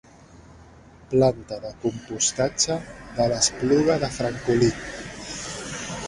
Planta de compostatge de l'Espluga de Francolí.